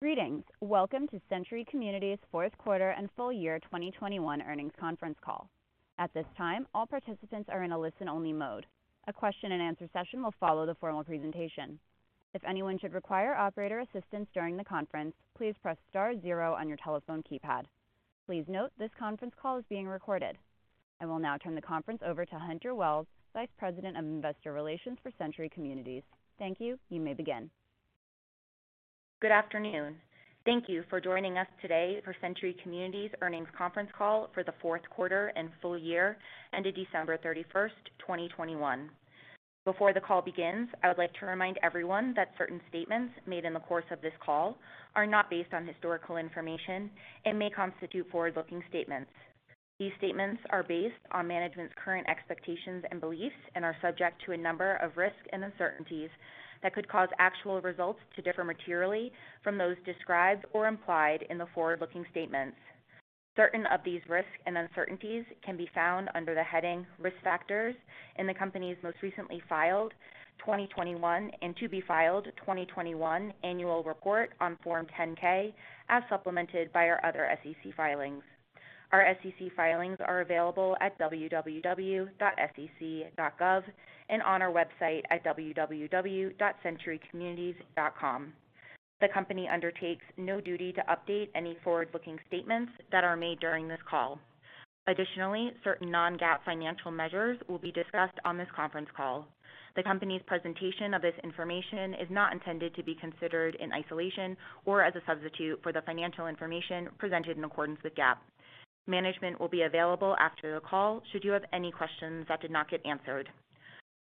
Greetings. Welcome to Century Communities' fourth quarter and full year 2021 earnings conference call. At this time, all participants are in a listen-only mode. A question-and-answer session will follow the formal presentation. If anyone should require operator assistance during the conference, please press Star zero on your telephone keypad. Please note, this conference call is being recorded. I will now turn the conference over to Hunter Wells, Vice President of Investor Relations for Century Communities. Thank you. You may begin. Good afternoon. Thank you for joining us today for Century Communities' earnings conference call for the fourth quarter and full year ended December 31, 2021. Before the call begins, I would like to remind everyone that certain statements made in the course of this call are not based on historical information and may constitute forward-looking statements. These statements are based on management's current expectations and beliefs and are subject to a number of risks and uncertainties that could cause actual results to differ materially from those described or implied in the forward-looking statements. Certain of these risks and uncertainties can be found under the heading Risk Factors in the company's most recently filed 2021, and to be filed 2021 annual report on Form 10-K, as supplemented by our other SEC filings. Our SEC filings are available at www.sec.gov and on our website at www.centurycommunities.com. The company undertakes no duty to update any forward-looking statements that are made during this call. Additionally, certain non-GAAP financial measures will be discussed on this conference call. The company's presentation of this information is not intended to be considered in isolation or as a substitute for the financial information presented in accordance with GAAP. Management will be available after the call should you have any questions that did not get answered.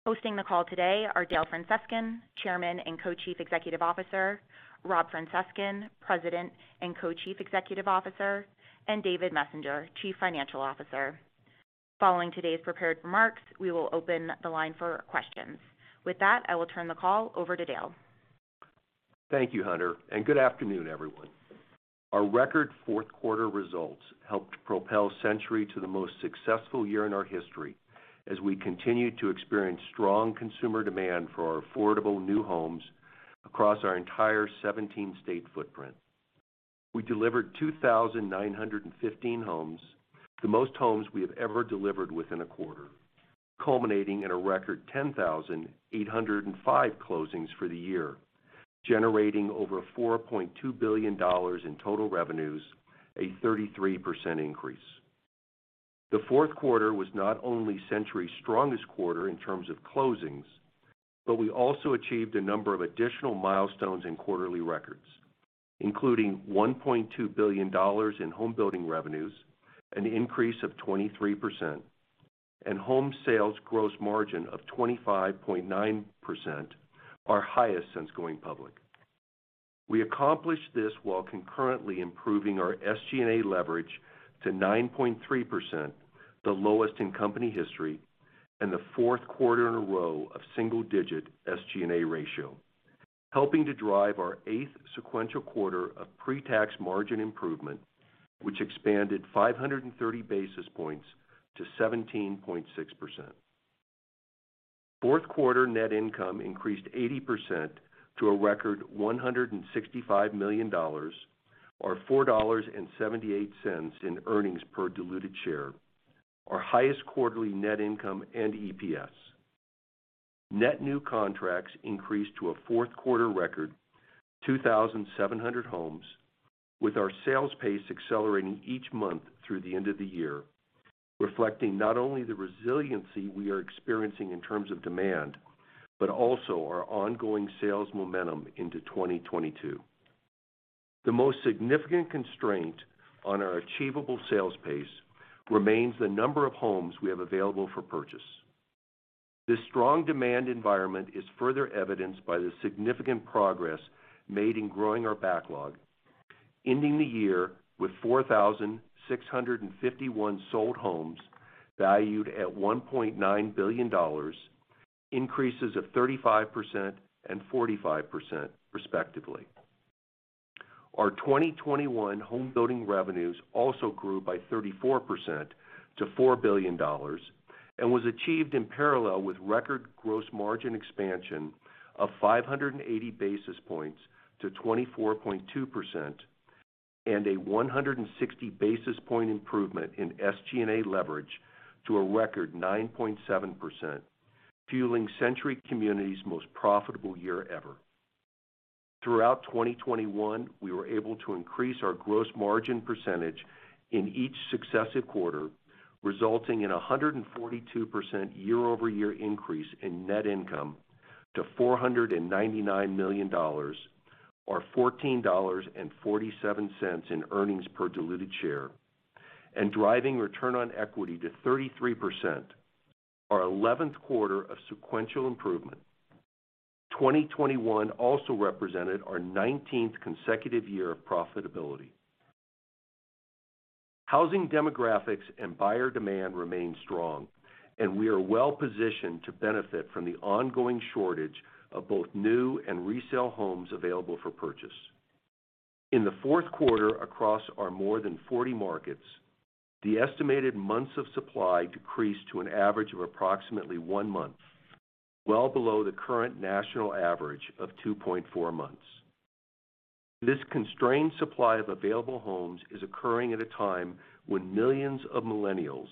Hosting the call today are Dale Francescon, Chairman and Co-Chief Executive Officer, Rob Francescon, President and Co-Chief Executive Officer, and David Messenger, Chief Financial Officer. Following today's prepared remarks, we will open the line for questions. With that, I will turn the call over to Dale. Thank you, Hunter, and good afternoon, everyone. Our record fourth quarter results helped propel Century to the most successful year in our history as we continued to experience strong consumer demand for our affordable new homes across our entire 17-state footprint. We delivered 2,915 homes, the most homes we have ever delivered within a quarter, culminating in a record 10,805 closings for the year, generating over $4.2 billion in total revenues, a 33% increase. The fourth quarter was not only Century's strongest quarter in terms of closings, but we also achieved a number of additional milestones and quarterly records, including $1.2 billion in homebuilding revenues, an increase of 23%, and home sales gross margin of 25.9%, our highest since going public. We accomplished this while concurrently improving our SG&A leverage to 9.3%, the lowest in company history, and the fourth quarter in a row of single-digit SG&A ratio, helping to drive our eighth sequential quarter of pre-tax margin improvement, which expanded 530 basis points to 17.6%. Fourth quarter net income increased 80% to a record $165 million, or $4.78 in earnings per diluted share, our highest quarterly net income and EPS. Net new contracts increased to a fourth quarter record 2,700 homes, with our sales pace accelerating each month through the end of the year, reflecting not only the resiliency we are experiencing in terms of demand, but also our ongoing sales momentum into 2022. The most significant constraint on our achievable sales pace remains the number of homes we have available for purchase. This strong demand environment is further evidenced by the significant progress made in growing our backlog, ending the year with 4,651 sold homes valued at $1.9 billion, increases of 35% and 45% respectively. Our 2021 homebuilding revenues also grew by 34% to $4 billion and was achieved in parallel with record gross margin expansion of 580 basis points to 24.2% and a 160 basis point improvement in SG&A leverage to a record 9.7%, fueling Century Communities' most profitable year ever. Throughout 2021, we were able to increase our gross margin % in each successive quarter, resulting in a 142% year-over-year increase in net income to $499 million, or $14.47 in earnings per diluted share, and driving return on equity to 33%, our 11th quarter of sequential improvement. 2021 also represented our 19th consecutive year of profitability. Housing demographics and buyer demand remain strong, and we are well positioned to benefit from the ongoing shortage of both new and resale homes available for purchase. In the fourth quarter across our more than 40 markets, the estimated months of supply decreased to an average of approximately one month, well below the current national average of two point four months. This constrained supply of available homes is occurring at a time when millions of millennials,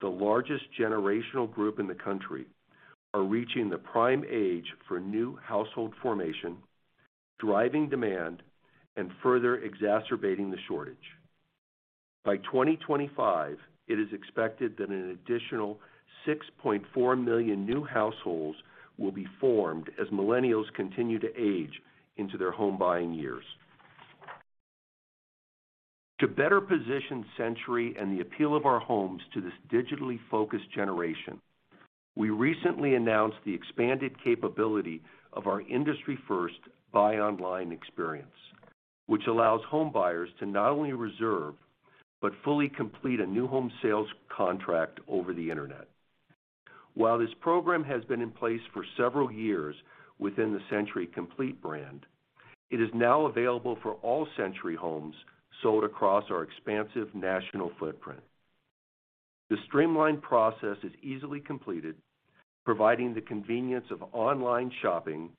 the largest generational group in the country, are reaching the prime age for new household formation, driving demand and further exacerbating the shortage. By 2025, it is expected that an additional 6.4 million new households will be formed as millennials continue to age into their home buying years. To better position Century and the appeal of our homes to this digitally focused generation, we recently announced the expanded capability of our industry-first buy online experience, which allows home buyers to not only reserve but fully complete a new home sales contract over the Internet. While this program has been in place for several years within the Century Complete brand, it is now available for all Century homes sold across our expansive national footprint. The streamlined process is easily completed, providing the convenience of online shopping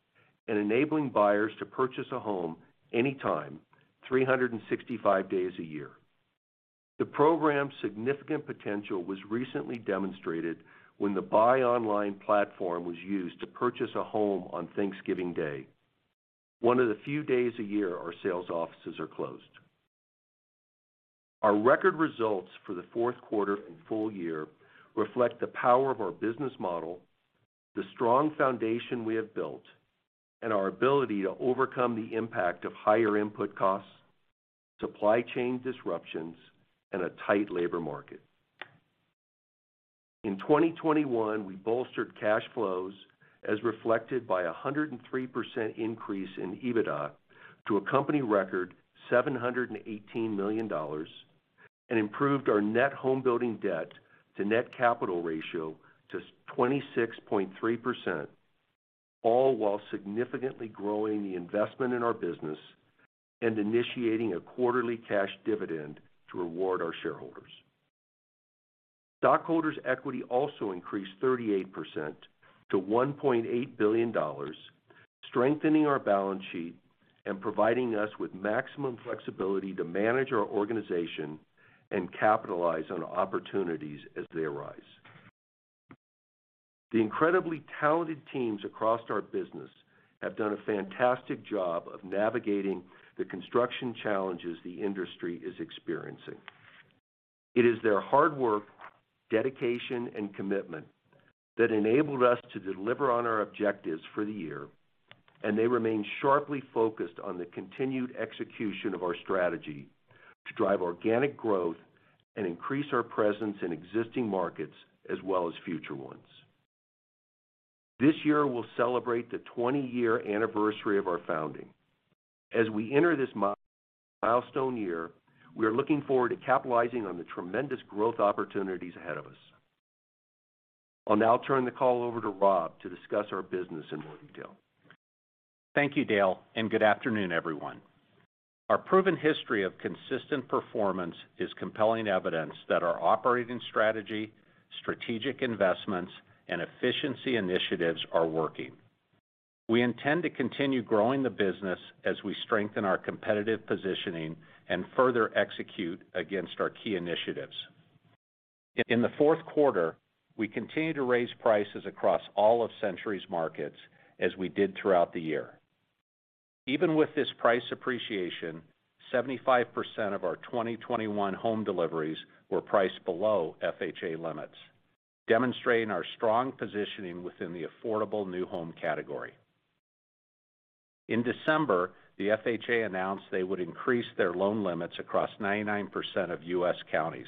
and enabling buyers to purchase a home anytime, 365 days a year. The program's significant potential was recently demonstrated when the buy online platform was used to purchase a home on Thanksgiving Day, one of the few days a year our sales offices are closed. Our record results for the fourth quarter and full year reflect the power of our business model, the strong foundation we have built, and our ability to overcome the impact of higher input costs, supply chain disruptions, and a tight labor market. In 2021, we bolstered cash flows as reflected by a 103% increase in EBITDA to a company record $718 million and improved our net homebuilding debt to net capital ratio to 26.3%, all while significantly growing the investment in our business and initiating a quarterly cash dividend to reward our shareholders. Stockholders' equity also increased 38% to $1.8 billion, strengthening our balance sheet and providing us with maximum flexibility to manage our organization and capitalize on opportunities as they arise. The incredibly talented teams across our business have done a fantastic job of navigating the construction challenges the industry is experiencing. It is their hard work, dedication, and commitment that enabled us to deliver on our objectives for the year, and they remain sharply focused on the continued execution of our strategy to drive organic growth and increase our presence in existing markets as well as future ones. This year, we'll celebrate the 20-year anniversary of our founding. As we enter this milestone year, we are looking forward to capitalizing on the tremendous growth opportunities ahead of us. I'll now turn the call over to Rob to discuss our business in more detail. Thank you, Dale, and good afternoon, everyone. Our proven history of consistent performance is compelling evidence that our operating strategy, strategic investments, and efficiency initiatives are working. We intend to continue growing the business as we strengthen our competitive positioning and further execute against our key initiatives. In the fourth quarter, we continued to raise prices across all of Century's markets as we did throughout the year. Even with this price appreciation, 75% of our 2021 home deliveries were priced below FHA limits, demonstrating our strong positioning within the affordable new home category. In December, the FHA announced they would increase their loan limits across 99% of U.S. counties,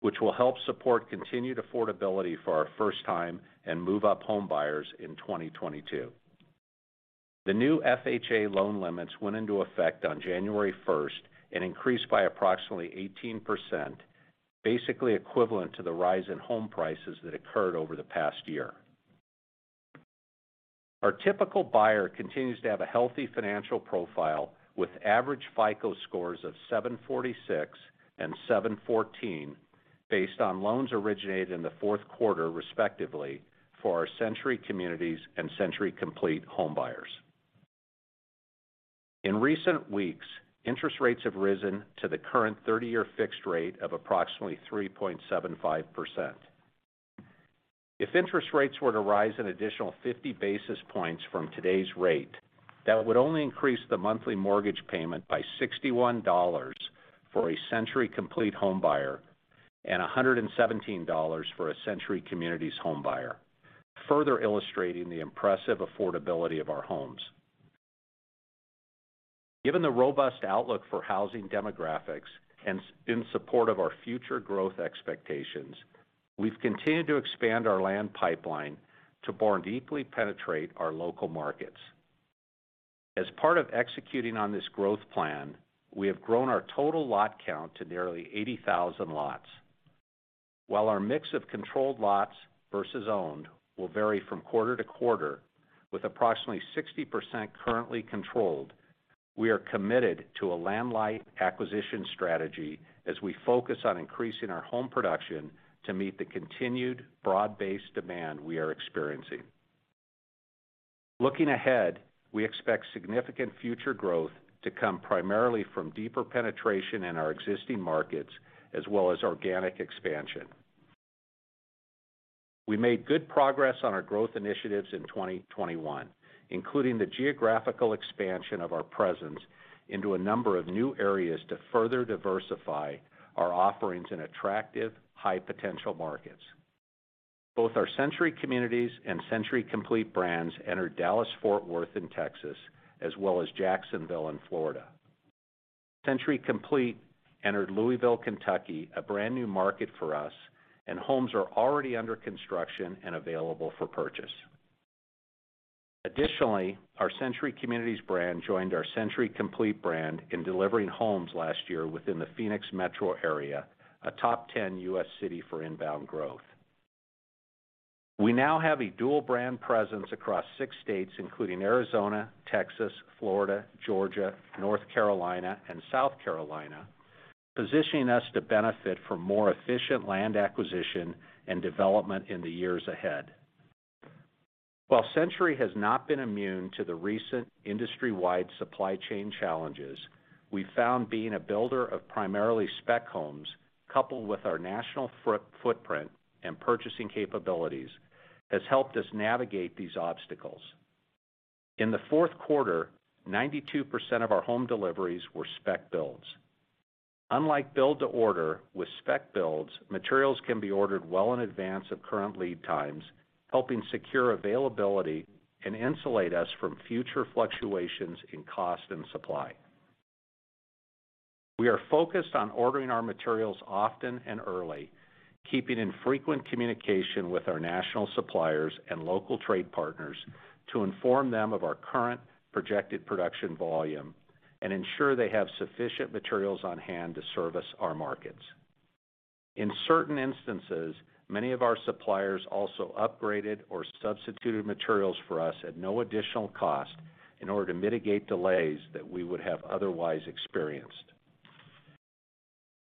which will help support continued affordability for our first-time and move-up home buyers in 2022. The new FHA loan limits went into effect on January first and increased by approximately 18%, basically equivalent to the rise in home prices that occurred over the past year. Our typical buyer continues to have a healthy financial profile with average FICO scores of 746 and 714 based on loans originated in the fourth quarter, respectively, for our Century Communities and Century Complete home buyers. In recent weeks, interest rates have risen to the current 30-year fixed rate of approximately 3.75%. If interest rates were to rise an additional 50 basis points from today's rate, that would only increase the monthly mortgage payment by $61 for a Century Complete home buyer and $117 for a Century Communities home buyer, further illustrating the impressive affordability of our homes. Given the robust outlook for housing demographics in support of our future growth expectations, we've continued to expand our land pipeline to more deeply penetrate our local markets. As part of executing on this growth plan, we have grown our total lot count to nearly 80,000 lots. While our mix of controlled lots versus owned will vary from quarter- to- quarter with approximately 60% currently controlled, we are committed to a land light acquisition strategy as we focus on increasing our home production to meet the continued broad-based demand we are experiencing. Looking ahead, we expect significant future growth to come primarily from deeper penetration in our existing markets as well as organic expansion. We made good progress on our growth initiatives in 2021, including the geographical expansion of our presence into a number of new areas to further diversify our offerings in attractive high potential markets. Both our Century Communities and Century Complete brands entered Dallas-Fort Worth in Texas as well as Jacksonville in Florida. Century Complete entered Louisville, Kentucky, a brand new market for us, and homes are already under construction and available for purchase. Additionally, our Century Communities brand joined our Century Complete brand in delivering homes last year within the Phoenix metro area, a top 10 U.S. city for inbound growth. We now have a dual brand presence across six states, including Arizona, Texas, Florida, Georgia, North Carolina, and South Carolina, positioning us to benefit from more efficient land acquisition and development in the years ahead. While Century has not been immune to the recent industry-wide supply chain challenges, we found being a builder of primarily spec homes, coupled with our national footprint and purchasing capabilities, has helped us navigate these obstacles. In the fourth quarter, 92% of our home deliveries were spec builds. Unlike build to order, with spec builds, materials can be ordered well in advance of current lead times, helping secure availability and insulate us from future fluctuations in cost and supply. We are focused on ordering our materials often and early, keeping in frequent communication with our national suppliers and local trade partners to inform them of our current projected production volume and ensure they have sufficient materials on hand to service our markets. In certain instances, many of our suppliers also upgraded or substituted materials for us at no additional cost in order to mitigate delays that we would have otherwise experienced.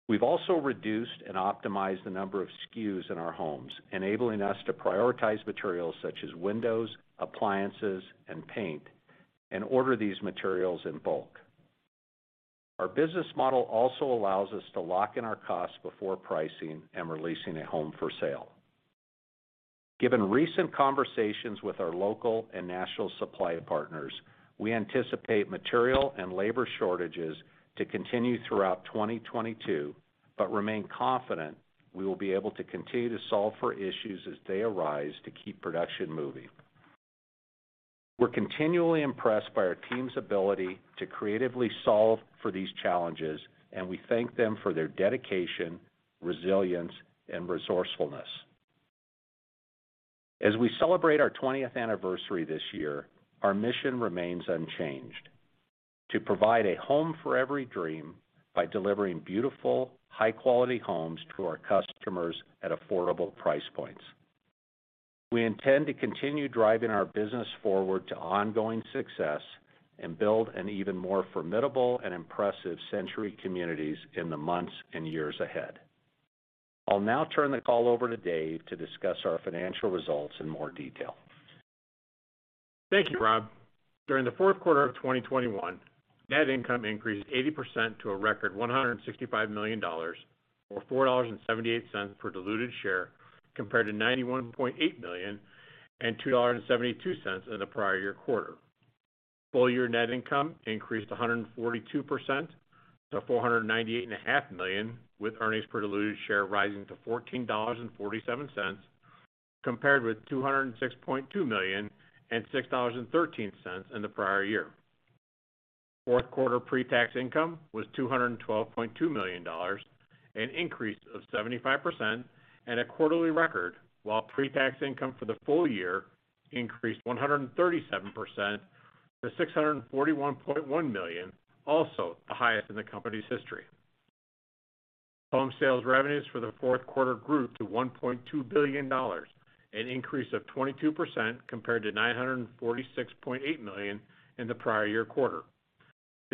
We've also reduced and optimized the number of SKUs in our homes, enabling us to prioritize materials such as windows, appliances, and paint, and order these materials in bulk. Our business model also allows us to lock in our costs before pricing and releasing a home for sale. Given recent conversations with our local and national supplier partners, we anticipate material and labor shortages to continue throughout 2022, but remain confident we will be able to continue to solve for issues as they arise to keep production moving. We're continually impressed by our team's ability to creatively solve for these challenges, and we thank them for their dedication, resilience, and resourcefulness. As we celebrate our 20th anniversary this year, our mission remains unchanged: to provide a home for every dream by delivering beautiful, high-quality homes to our customers at affordable price points. We intend to continue driving our business forward to ongoing success and build an even more formidable and impressive Century Communities in the months and years ahead. I'll now turn the call over to Dave to discuss our financial results in more detail. Thank you, Rob. During the fourth quarter of 2021, net income increased 80% to a record $165 million, or $4.78 per diluted share, compared to $91.8 million and $2.72 in the prior-year quarter. Full year net income increased 142% - $498.5 million, with earnings per diluted share rising to $14.47, compared with $206.2 million and $6.13 in the prior year. Fourth quarter pre-tax income was $212.2 million, an increase of 75% and a quarterly record, while pre-tax income for the full year increased 137% to $641.1 million, also the highest in the company's history. Home sales revenues for the fourth quarter grew to $1.2 billion, an increase of 22% compared to $946.8 million in the prior- year- quarter.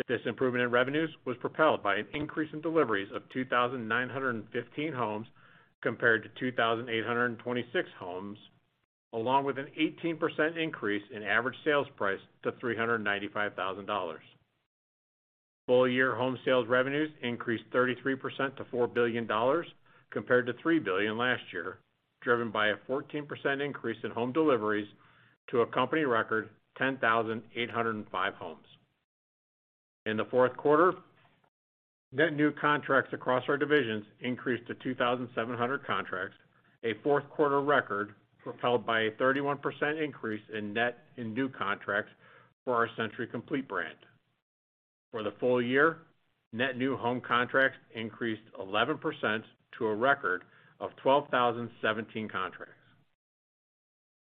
This improvement in revenues was propelled by an increase in deliveries of 2,915 homes compared to 2,826 homes, along with an 18% increase in average sales price to $395,000. Full year home sales revenues increased 33% to $4 billion compared to $3 billion last year, driven by a 14% increase in home deliveries to a company record 10,805 homes. In the fourth quarter, net new contracts across our divisions increased to 2,700 contracts, a fourth quarter record propelled by a 31% increase in net in new contracts for our Century Complete brand. For the full year, net new home contracts increased 11% to a record of 12,017 contracts.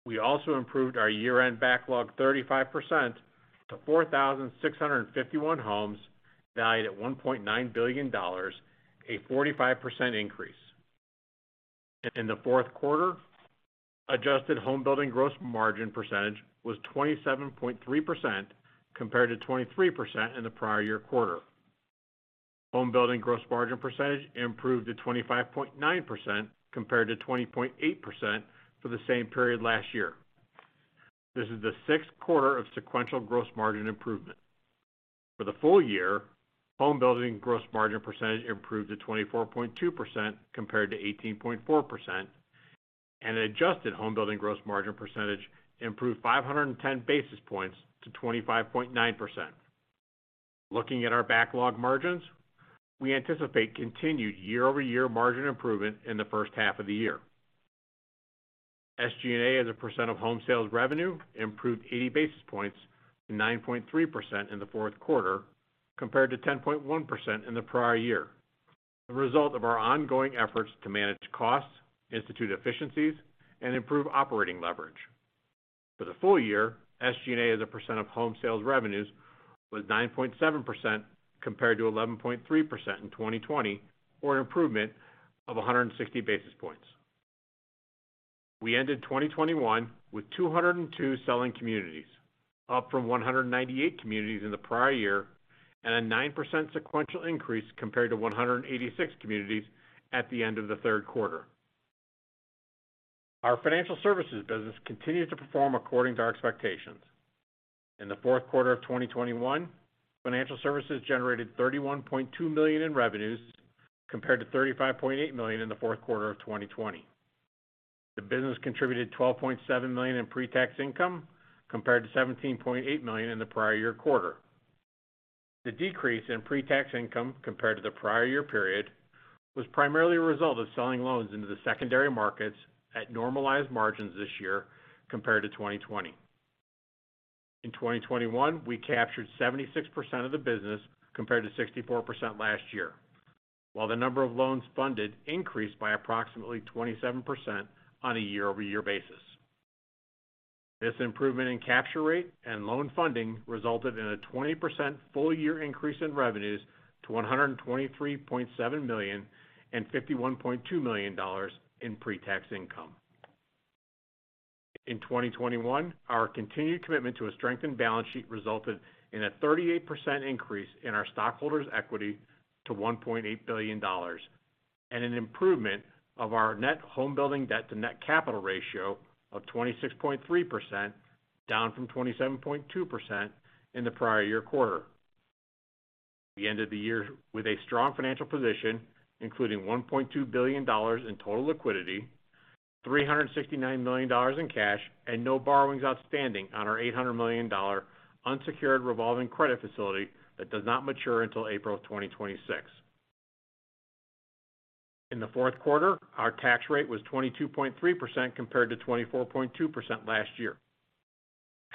We also improved our year-end backlog 35% to 4,651 homes valued at $1.9 billion, a 45% increase. In the fourth quarter, adjusted home building gross margin percentage was 27.3% compared to 23% in the prior year quarter. Home building gross margin percentage improved to 25.9% compared to 20.8% for the same period last year. This is the sixth quarter of sequential gross margin improvement. For the full year, home building gross margin percentage improved to 24.2% compared to 18.4%, and adjusted home building gross margin percentage improved 510 basis points to 25.9%. Looking at our backlog margins, we anticipate continued year-over-year margin improvement in the first half of the year. SG&A as a percent of home sales revenue improved 80 basis points to 9.3% in the fourth quarter, compared to 10.1% in the prior year, the result of our ongoing efforts to manage costs, institute efficiencies, and improve operating leverage. For the full year, SG&A as a percent of home sales revenues was 9.7% compared to 11.3% in 2020, or an improvement of 160 basis points. We ended 2021 with 202 selling communities, up from 198 communities in the prior year, and a 9% sequential increase compared to 186 communities at the end of the third quarter. Our financial services business continued to perform according to our expectations. In the fourth quarter of 2021, financial services generated $31.2 million in revenues compared to $35.8 million in the fourth quarter of 2020. The business contributed $12.7 million in pre-tax income, compared to $17.8 million in the prior year quarter. The decrease in pre-tax income compared to the prior year period was primarily a result of selling loans into the secondary markets at normalized margins this year compared to 2020. In 2021, we captured 76% of the business compared to 64% last year, while the number of loans funded increased by approximately 27% on a year-over-year basis. This improvement in capture rate and loan funding resulted in a 20% full year increase in revenues to $123.7 million and $51.2 million in pre-tax income. In 2021, our continued commitment to a strengthened balance sheet resulted in a 38% increase in our stockholders' equity to $1.8 billion and an improvement of our net homebuilding debt to net capital ratio of 26.3%, down from 27.2% in the prior year quarter. the end of the year with a strong financial position, including $1.2 billion in total liquidity, $369 million in cash, and no borrowings outstanding on our $800 million unsecured revolving credit facility that does not mature until April of 2026. In the fourth quarter, our tax rate was 22.3% compared to 24.2% last year.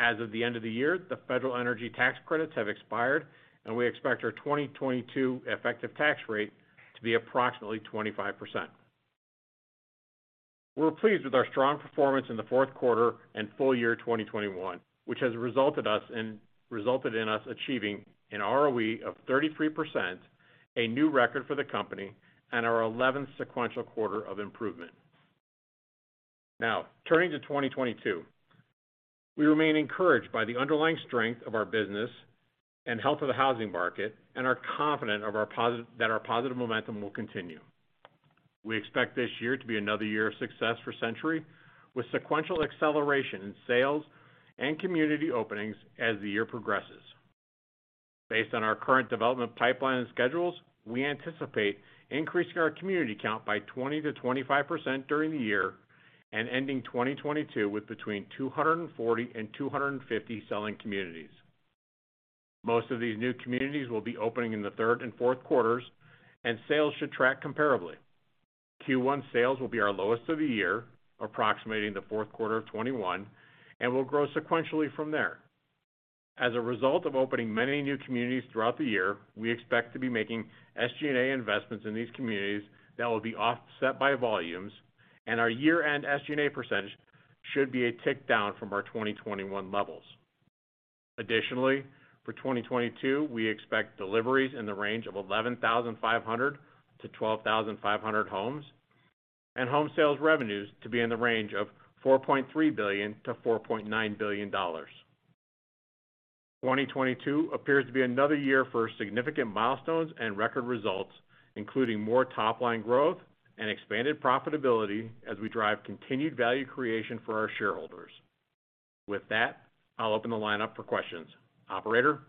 As of the end of the year, the federal energy tax credits have expired, and we expect our 2022 effective tax rate to be approximately 25%. We're pleased with our strong performance in the fourth quarter and full year 2021, which has resulted in us achieving an ROE of 33%, a new record for the company, and our eleventh sequential quarter of improvement. Now, turning to 2022. We remain encouraged by the underlying strength of our business and health of the housing market and are confident that our positive momentum will continue. We expect this year to be another year of success for Century, with sequential acceleration in sales and community openings as the year progresses. Based on our current development pipeline and schedules, we anticipate increasing our community count by 20-25% during the year and ending 2022 with between 240 and 250 selling communities. Most of these new communities will be opening in the third and fourth quarters, and sales should track comparably. Q1 sales will be our lowest of the year, approximating the fourth quarter of 2021, and will grow sequentially from there. As a result of opening many new communities throughout the year, we expect to be making SG&A investments in these communities that will be offset by volumes, and our year-end SG&A % should be a tick down from our 2021 levels. Additionally, for 2022, we expect deliveries in the range of 11,500-12,500 homes and home sales revenues to be in the range of $4.3 billion-$4.9 billion. 2022 appears to be another year for significant milestones and record results, including more top-line growth and expanded profitability as we drive continued value creation for our shareholders. With that, I'll open the line up for questions. Operator?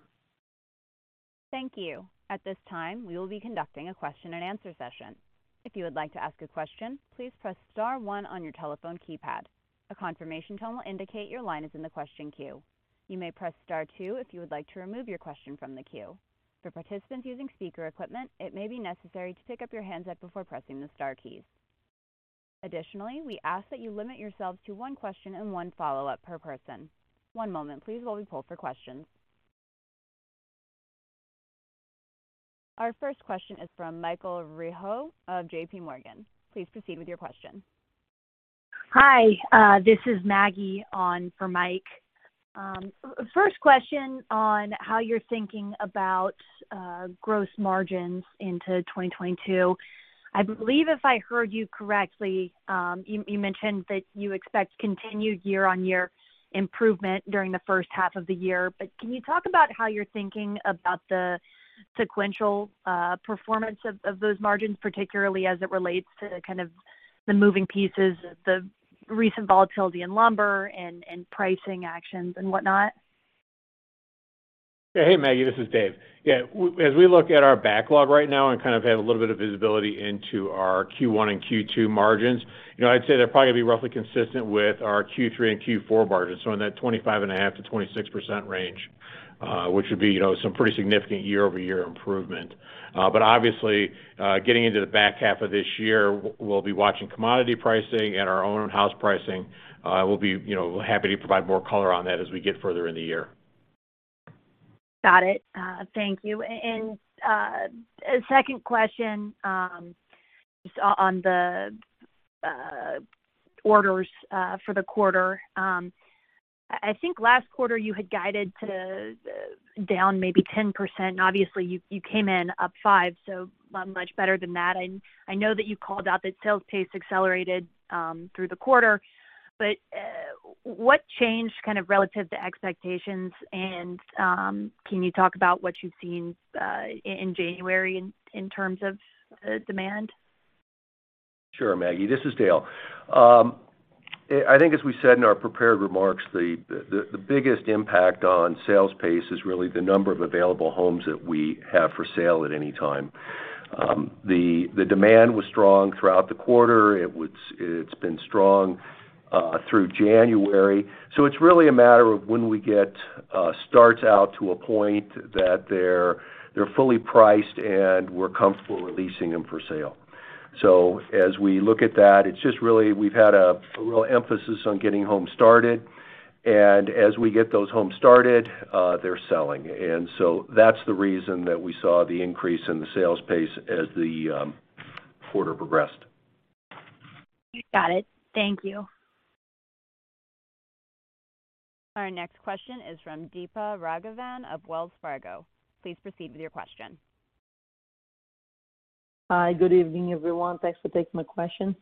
Thank you. At this time, we will be conducting a question and answer session. If you would like to ask a question, please press Star one on your telephone keypad. A confirmation tone will indicate your line is in the question queue. You may press Star two if you would like to remove your question from the queue. For participants using speaker equipment, it may be necessary to pick up your handset before pressing the Star keys. Additionally, we ask that you limit yourselves to one question and one follow-up per person. One moment please while we poll for questions. Our first question is from Michael Rehaut of JPMorgan. Please proceed with your question. Hi, this is Maggie on for Mike. First question on how you're thinking about gross margins into 2022. I believe if I heard you correctly, you mentioned that you expect continued year-on-year improvement during the first half of the year. Can you talk about how you're thinking about the sequential performance of those margins, particularly as it relates to kind of the moving pieces, the recent volatility in lumber and pricing actions and whatnot? Hey, Maggie, this is Dave. Yeah, as we look at our backlog right now and kind of have a little bit of visibility into our Q1 and Q2 margins, you know, I'd say they're probably gonna be roughly consistent with our Q3 and Q4 margins, so in that 25.5%-26% range, which would be, you know, some pretty significant year-over-year improvement. Obviously, getting into the back half of this year, we'll be watching commodity pricing and our own in-house pricing. We'll be, you know, happy to provide more color on that as we get further in the year. Got it. Thank you. A second question, just on the orders for the quarter. I think last quarter you had guided to down maybe 10% and obviously you came in up 5%, so much better than that. I know that you called out that sales pace accelerated through the quarter. What changed kind of relative to expectations, and can you talk about what you've seen in January in terms of demand? Sure, Maggie. This is Dale. I think as we said in our prepared remarks, the biggest impact on sales pace is really the number of available homes that we have for sale at any time. The demand was strong throughout the quarter. It's been strong through January. It's really a matter of when we get starts out to a point that they're fully priced and we're comfortable releasing them for sale. As we look at that, it's just really we've had a real emphasis on getting homes started, and as we get those homes started, they're selling. That's the reason that we saw the increase in the sales pace as the quarter progressed. Got it. Thank you. Our next question is from Deepa Raghavan of Wells Fargo. Please proceed with your question. Hi, good evening, everyone. Thanks for taking my question.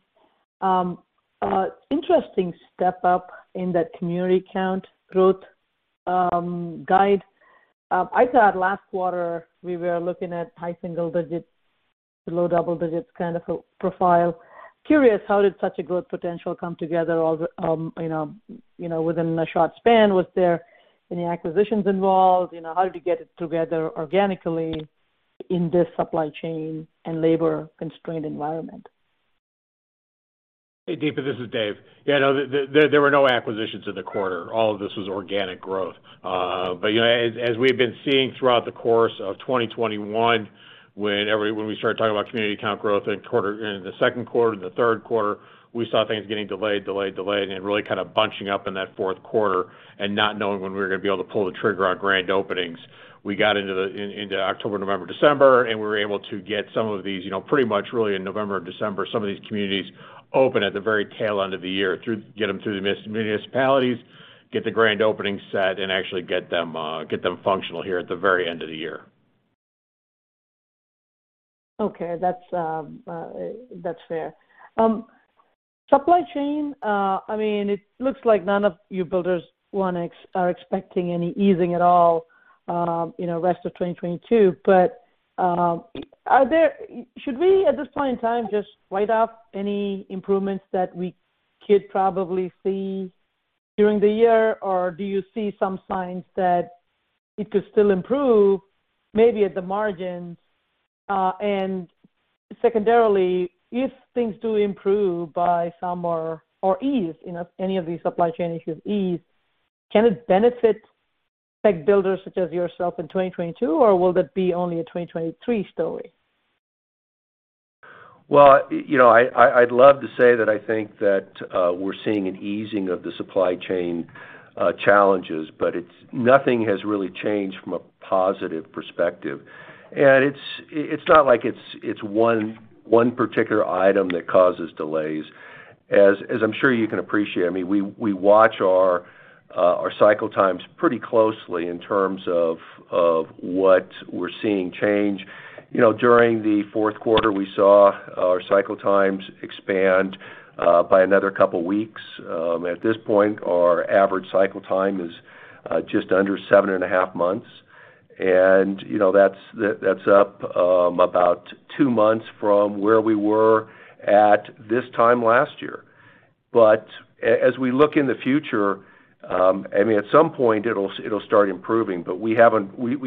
Interesting step up in that community count growth guide. I thought last quarter we were looking at high single digits to low double digits kind of a profile. Curious, how did such a growth potential come together all the, you know, within a short span? Was there any acquisitions involved? You know, how did you get it together organically in this supply chain and labor-constrained environment? Hey, Deepa, this is Dave. Yeah, no, there were no acquisitions in the quarter. All of this was organic growth. You know, as we've been seeing throughout the course of 2021, when we started talking about community count growth in the second quarter, the third quarter, we saw things getting delayed, and really kind of bunching up in that fourth quarter and not knowing when we were gonna be able to pull the trigger on grand openings. We got into October, November, December, and we were able to get some of these, you know, pretty much really in November, December, some of these communities open at the very tail end of the year through the municipalities, get the grand opening set, and actually get them functional here at the very end of the year. Okay. That's fair. Supply chain, I mean, it looks like none of you builders are expecting any easing at all in the rest of 2022. Should we at this point in time just write off any improvements that we could probably see during the year, or do you see some signs that it could still improve maybe at the margins? Secondarily, if things do improve by summer or ease, you know, any of these supply chain issues ease, can it benefit spec builders such as yourself in 2022, or will that be only a 2023 story? Well, you know, I'd love to say that I think that we're seeing an easing of the supply chain challenges, but nothing has really changed from a positive perspective. It's not like it's one particular item that causes delays. I'm sure you can appreciate, I mean, we watch our cycle times pretty closely in terms of what we're seeing change. You know, during the fourth quarter, we saw our cycle times expand by another couple weeks. At this point, our average cycle time is just under seven point five months. You know, that's up about two months from where we were at this time last year. As we look in the future, I mean, at some point it'll start improving, but we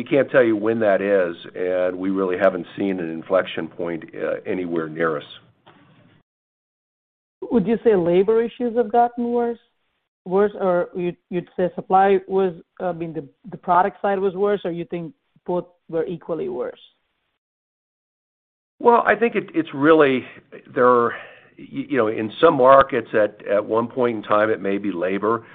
can't tell you when that is, and we really haven't seen an inflection point anywhere near us. Would you say labor issues have gotten worse or you'd say supply was, I mean, the product side was worse or you think both were equally worse? Well, I think it's really there are, you know, in some markets at one point in time, it may be labor.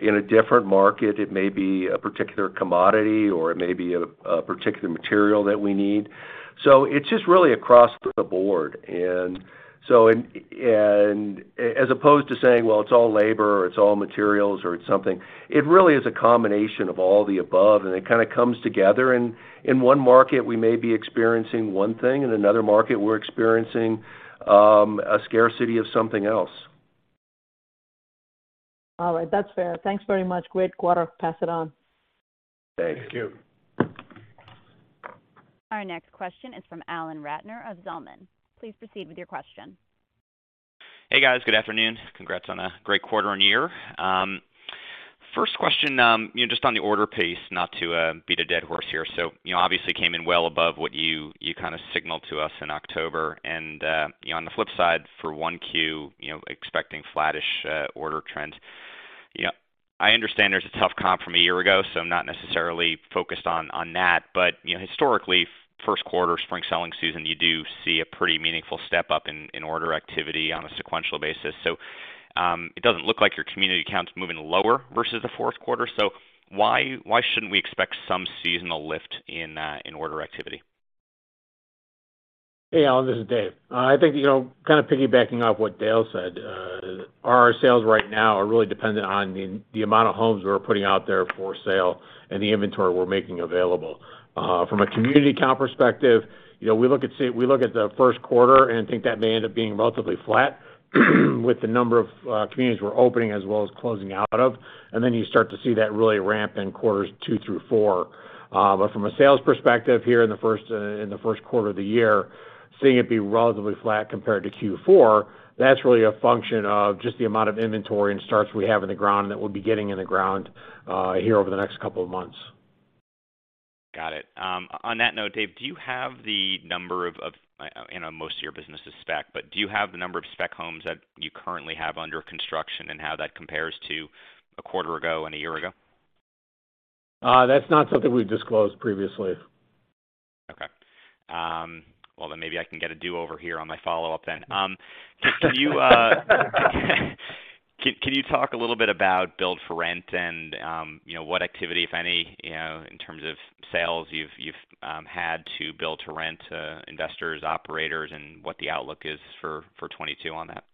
In a different market, it may be a particular commodity, or it may be a particular material that we need. It's just really across the board. As opposed to saying, "Well, it's all labor or it's all materials or it's something," it really is a combination of all the above, and it kind of comes together. In one market, we may be experiencing one thing, in another market, we're experiencing a scarcity of something else. All right, that's fair. Thanks very much. Great quarter. Pass it on. Thanks. Thank you. Our next question is from Alan Ratner of Zelman. Please proceed with your question. Hey, guys. Good afternoon. Congrats on a great quarter and year. First question, you know, just on the order pace, not to beat a dead horse here. You know, obviously came in well above what you kind of signaled to us in October. You know, on the flip side for 1Q, you know, expecting flattish order trends. You know, I understand there's a tough comp from a year ago, so I'm not necessarily focused on that. You know, historically, first quarter spring selling season, you do see a pretty meaningful step-up in order activity on a sequential basis. It doesn't look like your community count's moving lower versus the fourth quarter. Why shouldn't we expect some seasonal lift in order activity? Hey, Alan, this is David. I think, you know, kind of piggybacking off what Dale said, our sales right now are really dependent on the amount of homes we're putting out there for sale and the inventory we're making available. From a community count perspective, you know, we look at the first quarter and think that may end up being relatively flat with the number of communities we're opening as well as closing out of, and then you start to see that really ramp in quarters two through four. From a sales perspective here in the first quarter of the year, seeing it be relatively flat compared to Q4, that's really a function of just the amount of inventory and starts we have in the ground that we'll be getting in the ground here over the next couple of months. Got it. On that note, Dave, do you have the number of, I know most of your business is spec, but do you have the number of spec homes that you currently have under construction and how that compares to a quarter ago and a year ago? That's not something we've disclosed previously. Okay. Well, maybe I can get a do-over here on my follow-up. Can you talk a little bit about build for rent and, you know, what activity, if any, you know, in terms of sales you've had to build for rent investors, operators and what the outlook is for 2022 on that?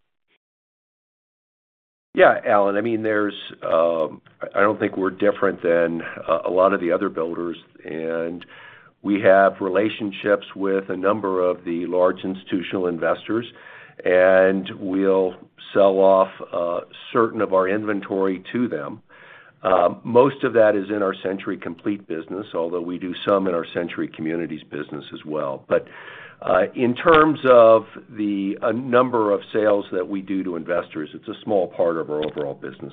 Yeah, Alan. I mean, there's. I don't think we're different than a lot of the other builders, and we have relationships with a number of the large institutional investors, and we'll sell off certain of our inventory to them. Most of that is in our Century Complete business, although we do some in our Century Communities business as well. In terms of a number of sales that we do to investors, it's a small part of our overall business.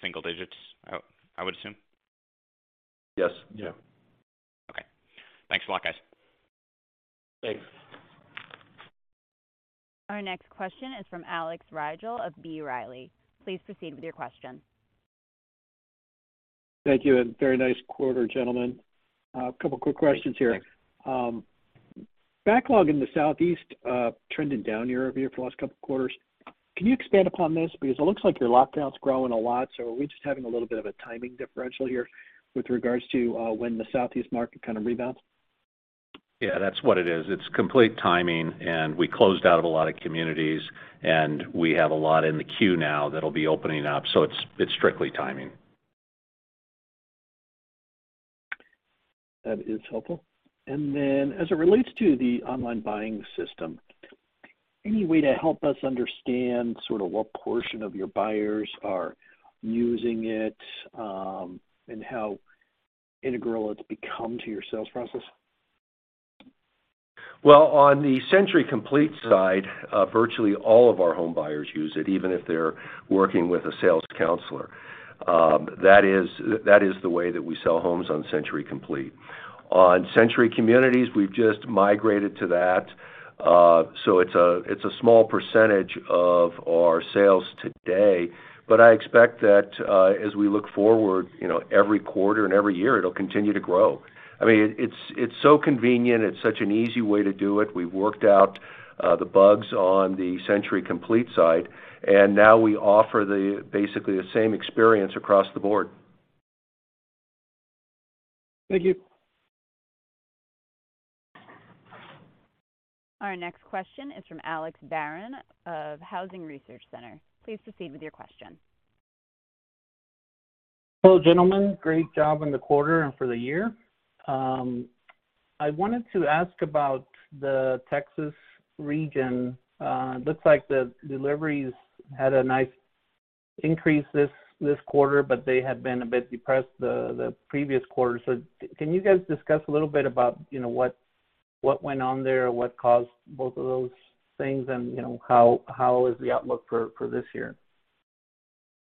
Single digits, I would assume. Yes. Yeah. Okay. Thanks a lot, guys. Thanks. Our next question is from Alex Rygiel of B. Riley. Please proceed with your question. Thank you, and very nice quarter, gentlemen. A couple quick questions here. Thank you. Thanks. Backlog in the Southeast, trending down year-over-year for the last couple quarters. Can you expand upon this? Because it looks like your lot count's growing a lot, so are we just having a little bit of a timing differential here with regards to when the Southeast market kind of rebounds? Yeah, that's what it is. It's complete timing, and we closed out of a lot of communities, and we have a lot in the queue now that'll be opening up. It's strictly timing. That is helpful. As it relates to the online buying system, any way to help us understand sort of what portion of your buyers are using it, and how integral it's become to your sales process? Well, on the Century Complete side, virtually all of our home buyers use it, even if they're working with a sales counselor. That is the way that we sell homes on Century Complete. On Century Communities, we've just migrated to that. It's a small percentage of our sales today, but I expect that, as we look forward, you know, every quarter and every year, it'll continue to grow. I mean, it's so convenient, it's such an easy way to do it. We've worked out the bugs on the Century Complete side, and now we offer basically the same experience across the board. Thank you. Our next question is from Alex Barrón of Housing Research Center. Please proceed with your question. Hello, gentlemen. Great job in the quarter and for the year. I wanted to ask about the Texas region. Looks like the deliveries had a nice increase this quarter, but they had been a bit depressed the previous quarter. Can you guys discuss a little bit about, you know, what went on there, what caused both of those things and, you know, how is the outlook for this year?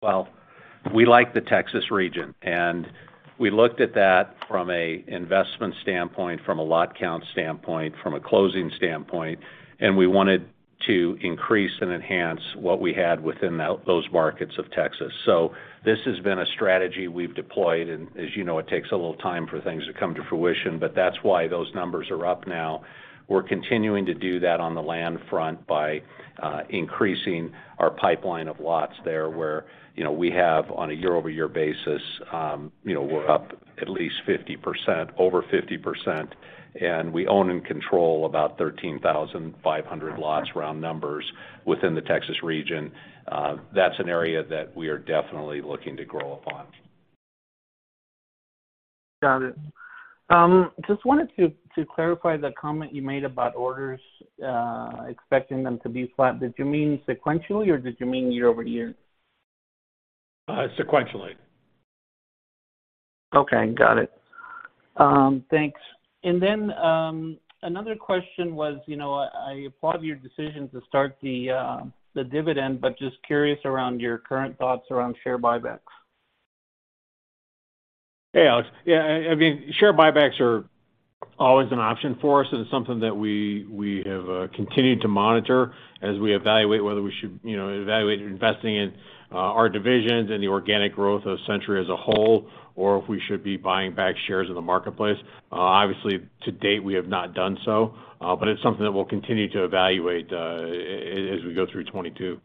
Well, we like the Texas region, and we looked at that from a investment standpoint, from a lot count standpoint, from a closing standpoint, and we wanted To increase and enhance what we had within those markets of Texas. This has been a strategy we've deployed, and as you know, it takes a little time for things to come to fruition, but that's why those numbers are up now. We're continuing to do that on the land front by increasing our pipeline of lots there, where, you know, we have on a year-over-year basis, you know, we're up at least 50%, over 50%, and we own and control about 13,500 lots, round numbers, within the Texas region. That's an area that we are definitely looking to grow upon. Got it. Just wanted to clarify the comment you made about orders, expecting them to be flat. Did you mean sequentially or did you mean year over year? Sequentially. Okay, got it. Thanks. Another question was, you know, I applaud your decision to start the dividend, but just curious around your current thoughts around share buybacks. Hey, Alex. Yeah, I mean, share buybacks are always an option for us and something that we have continued to monitor as we evaluate whether we should, you know, evaluate investing in our divisions and the organic growth of Century as a whole, or if we should be buying back shares in the marketplace. Obviously, to date, we have not done so, but it's something that we'll continue to evaluate as we go through 2022.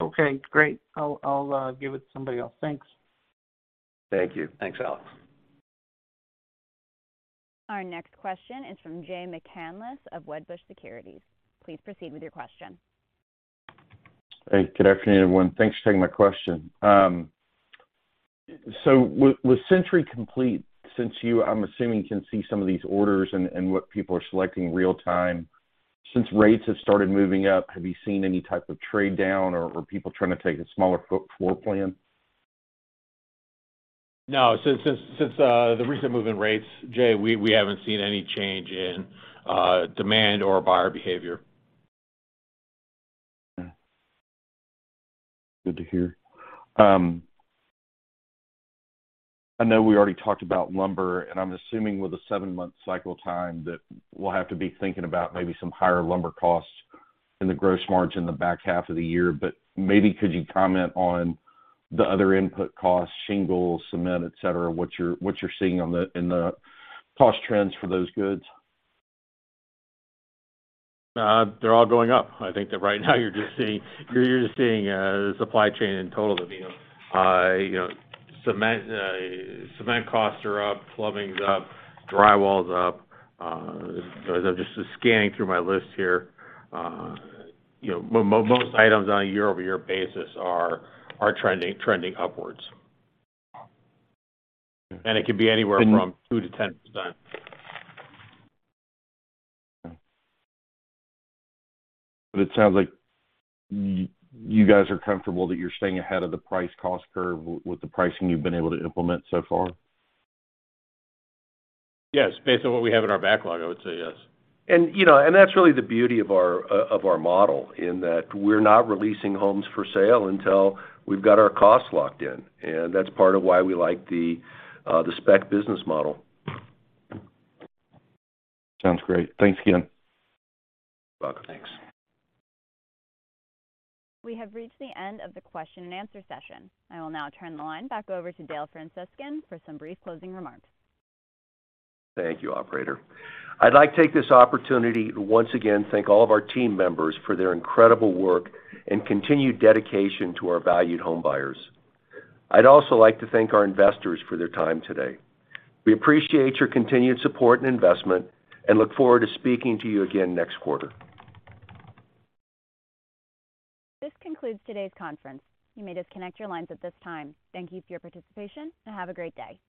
Okay, great. I'll give it to somebody else. Thanks. Thank you. Thanks, Alex. Our next question is from Jay McCanless of Wedbush Securities. Please proceed with your question. Hey, good afternoon, everyone. Thanks for taking my question. With Century Complete, since you, I'm assuming, can see some of these orders and what people are selecting real-time, since rates have started moving up, have you seen any type of trade down or people trying to take a smaller floor plan? No. Since the recent move in rates, Jay, we haven't seen any change in demand or buyer behavior. Good to hear. I know we already talked about lumber, and I'm assuming with a seven-month cycle time that we'll have to be thinking about maybe some higher lumber costs in the gross margin in the back half of the year. Maybe could you comment on the other input costs, shingles, cement, et cetera, what you're seeing in the cost trends for those goods? They're all going up. I think that right now you're just seeing supply chain in total. I mean, you know, cement costs are up, plumbing's up, drywall's up. As I'm just scanning through my list here, you know, most items on a year-over-year basis are trending upwards. It could be anywhere from 2%-10%. It sounds like you guys are comfortable that you're staying ahead of the price cost curve with the pricing you've been able to implement so far. Yes. Based on what we have in our backlog, I would say yes. You know, that's really the beauty of our model in that we're not releasing homes for sale until we've got our costs locked in. That's part of why we like the spec business model. Sounds great. Thanks again. You're welcome. Thanks. We have reached the end of the question and answer session. I will now turn the line back over to Dale Francescon for some brief closing remarks. Thank you, operator. I'd like to take this opportunity to once again thank all of our team members for their incredible work and continued dedication to our valued home buyers. I'd also like to thank our investors for their time today. We appreciate your continued support and investment and look forward to speaking to you again next quarter. This concludes today's conference. You may disconnect your lines at this time. Thank you for your participation and have a great day.